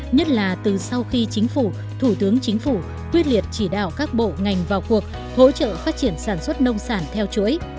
nhất là từ sau khi chính phủ thủ tướng chính phủ quyết liệt chỉ đạo các bộ ngành vào cuộc hỗ trợ phát triển sản xuất nông sản theo chuỗi